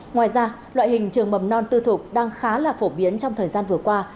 ngoài ra loại hình trường mầm non tư thục đang khá là phổ biến trong thời gian vừa qua